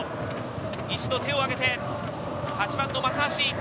一度、手を挙げて、８番の松橋。